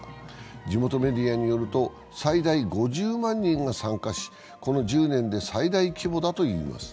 地元メディアによると最大５０万人が参加しこの１０年で最大規模だといいます。